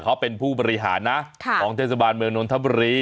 เขาเป็นผู้บริหารนะของเทศบาลเมืองนทรัพย์ดินทรีย์